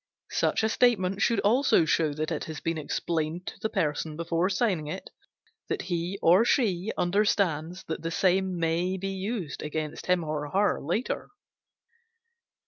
Such a statement should also show that it has been explained to the person before signing it that he or she understands that the same may be used against him or her later.